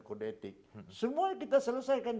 kode etik semua kita selesaikan